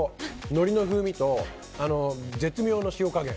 のりの風味と絶妙な塩加減。